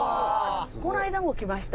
この間も来ました。